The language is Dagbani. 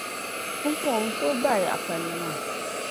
Pumpɔŋɔ bɛ ni tooi baai yaɣi palli maa.